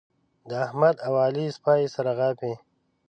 د احمد او علي سپي سره غاپي.